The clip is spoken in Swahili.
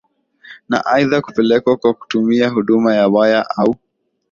Na aidha kupelekwa kwa kutumia huduma ya waya au